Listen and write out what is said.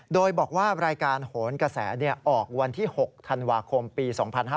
โดยบอกว่ารายการโหนกระแสออกวันที่๖ธันวาคมปี๒๕๕๙